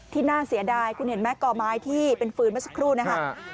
น่าเสียดายคุณเห็นไหมก่อไม้ที่เป็นฟืนเมื่อสักครู่นะครับ